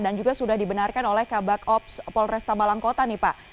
dan juga sudah dibenarkan oleh kabak ops polresta malangkota nih pak